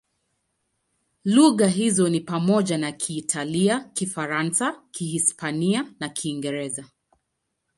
Lugha hizo ni pamoja na Kiitalia, Kifaransa, Kihispania na Kiingereza.